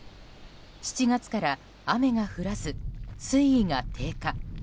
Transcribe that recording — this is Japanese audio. ７月から雨が降らず水位が低下。